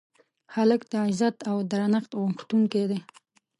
هلک د عزت او درنښت غوښتونکی دی.